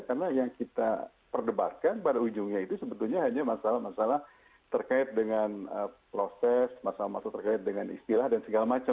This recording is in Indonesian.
karena yang kita perdebatkan pada ujungnya itu sebetulnya hanya masalah masalah terkait dengan proses masalah masalah terkait dengan istilah dan segala macam gitu ya